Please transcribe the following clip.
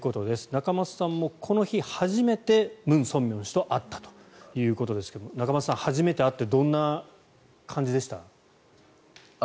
仲正さんもこの日初めてムン・ソンミョン氏と会ったということですが仲正さん、初めて会ってどんな感じでした？